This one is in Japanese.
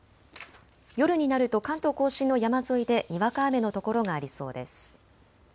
夜になると関東甲信の山沿いでにわか雨の所がありそうです。